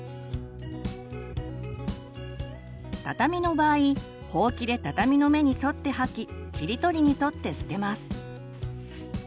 畳の場合ほうきで畳の目に沿って掃きちりとりに取って捨てます。